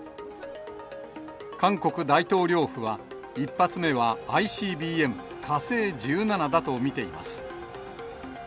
韓国大統領府は、１発目はＩＣＢＭ火星１７だと見ています。